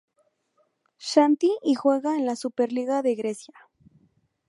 Xanthi y juega en la Super Liga de Grecia.